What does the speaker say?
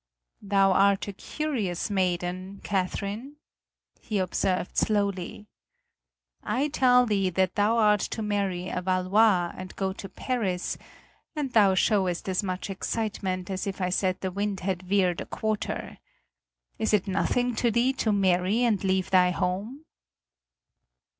"Thou art a curious maiden, Catherine," he observed slowly. "I tell thee that thou art to marry a Valois and go to Paris and thou showest as much excitement as if I said the wind had veered a quarter. Is it nothing to thee to marry and leave thy home?"